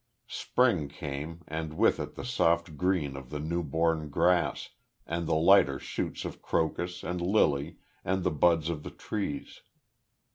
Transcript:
Spring came, and with it the soft green of the new born grass, and the lighter shoots of crocus, and lily, and the buds of the trees.